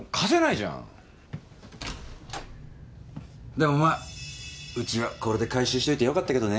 でもまあうちはこれで回収しといて良かったけどね。